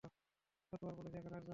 কতবার বলেছি এখানে আসবে না?